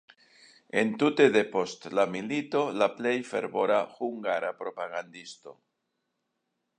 Entute depost la milito la plej fervora hungara propagandisto.